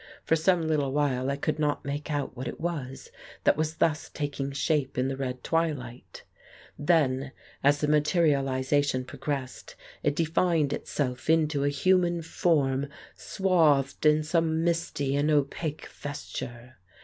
For some little while I could not make out what it was that was thus taking shape in the red twilight; then as the materialization progressed, it defined it self into a human form swathed in some misty and opaque vesture.